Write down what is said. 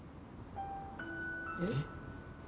えっ！？